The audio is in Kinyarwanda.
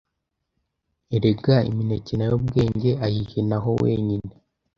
Erega imineke na yo Bwenge ayihinaho wenyine.